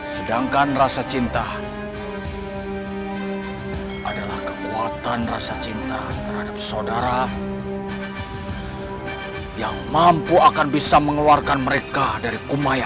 sedangkan rasa cinta adalah kekuatan rasa cinta terhadap saudara yang mampu akan bisa mengeluarkan mereka dari kumaya